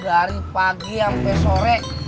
dari pagi sampai sore dia beli jamu